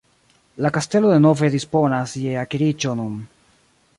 La kastelo denove disponas je akiriĝo nun.